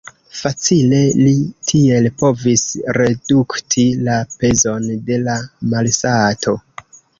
Facile li tiel povis redukti la pezon de la malsato.